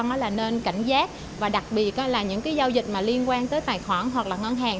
người dân nên cảnh giác và đặc biệt là những giao dịch liên quan tới tài khoản hoặc ngân hàng